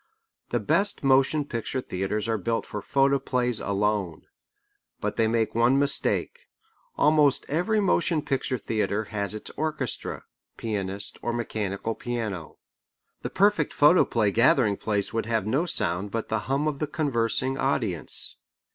The best motion picture theatres are built for photoplays alone. But they make one mistake. Almost every motion picture theatre has its orchestra, pianist, or mechanical piano. The perfect photoplay gathering place would have no sound but the hum of the conversing audience.